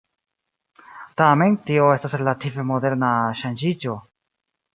Tamen, tio estas relative moderna ŝanĝiĝo.